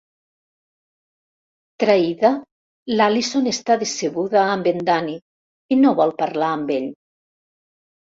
Traïda, l'Allyson està decebuda amb en Danny i no vol parlar amb ell.